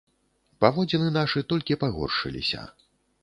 Паводзіны нашы толькі пагоршыліся.